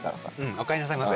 おかえりなさいませ。